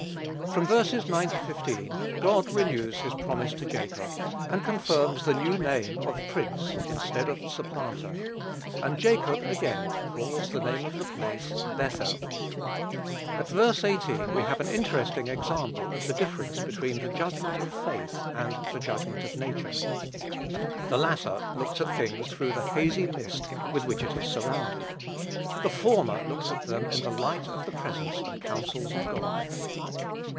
From ver. 9 15, God renews his promise to Jacob, and confirms the new name of "prince," instead of "supplanter;" and Jacob again calls the name of the place "Bethel." At verse 18 we have an interesting example of the difference between the judgment of faith and the judgment of nature. The latter looks at things through the hazy mist with which it is surrounded; the former looks at them in the light of the presence and counsels of God.